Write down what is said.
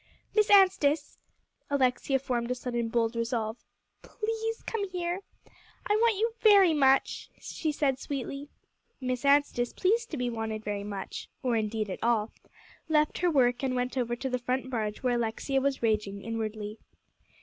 "Miss Anstice," Alexia formed a sudden bold resolve, "please come here. I want you very much," she said sweetly. Miss Anstice, pleased to be wanted very much, or indeed at all, left her work, and went over to the front barge where Alexia was raging inwardly.